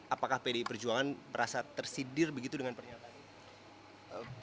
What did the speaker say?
apakah pdi perjuangan merasa tersindir begitu dengan pernyataan ini